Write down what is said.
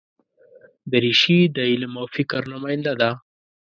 دریشي د علم او فکر نماینده ده.